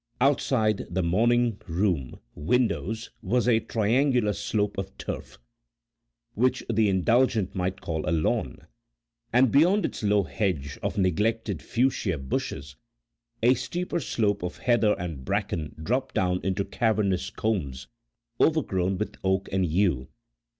Outside the morning room windows was a triangular slope of turf, which the indulgent might call a lawn, and beyond its low hedge of neglected fuchsia bushes a steeper slope of heather and bracken dropped down into cavernous combes overgrown with oak and yew.